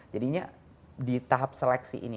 jadinya di tahap seleksi ini